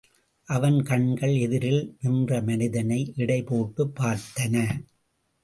அவன் கண்கள் எதிரில் நின்ற மனிதனை எடை போட்டுப் பார்த்தன.